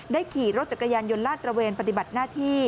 ขี่รถจักรยานยนต์ลาดตระเวนปฏิบัติหน้าที่